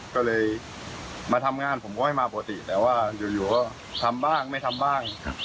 ก็เลยมาทำงานผมก็ให้มาปกติแต่ว่าอยู่ก็ทำบ้างไม่ทำบ้าง